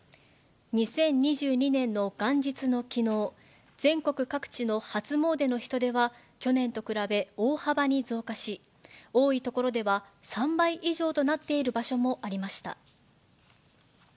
２０２２年の元日のきのう、全国各地の初詣の人出は、去年と比べ、大幅に増加し、多い所では３倍以上となっている場所もありました。